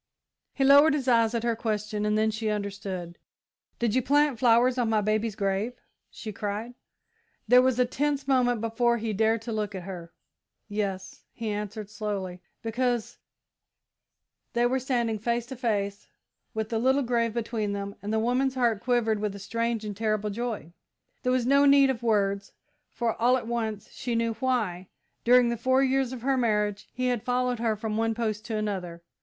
He lowered his eyes at her question, and then she understood. "Did you plant flowers on my baby's grave?" she cried. There was a tense moment before he dared to look at her. "Yes," he answered, slowly, "because " They were standing face to face, with the little grave between them, and the woman's heart quivered with a strange and terrible joy. There was no need of words, for, all at once, she knew why, during the four years of her marriage, he had followed her from one post to another.